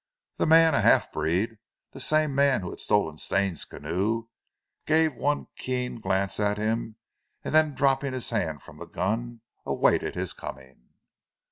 The man, a half breed, the same man who had stolen Stane's canoe, gave one keen glance at him and then dropping his hand from the gun, awaited his coming.